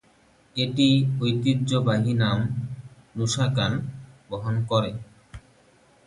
এটি ঐতিহ্যবাহী নাম "নুসাকান" বহন করে।